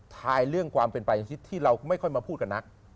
ทายเรื่องความเป็นไปที่เราไม่ค่อยมาพูดกับนัก